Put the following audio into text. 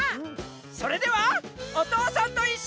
それでは「おとうさんといっしょ」。